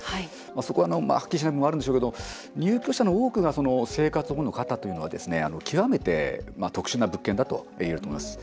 そこは、はっきりしない部分あるんでしょうけど入居者の多くが生活保護の方というのは極めて特殊な物件だといえると思います。